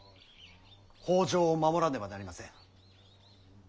北条を守らねばなりません。